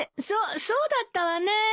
そっそうだったわね。